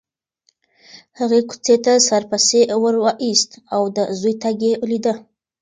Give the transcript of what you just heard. هغې کوڅې ته سر پسې وروایست او د زوی تګ یې لیده.